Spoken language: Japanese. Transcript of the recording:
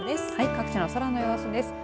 各地の空の様子です。